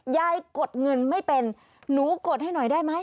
กดเงินไม่เป็นหนูกดให้หน่อยได้ไหม